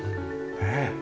ねえ。